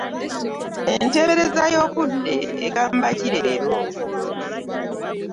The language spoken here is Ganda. Enteberezza y'obudde egamba ki leero?